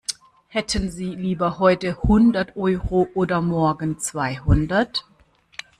Hätten Sie lieber heute hundert Euro oder morgen zweihundert?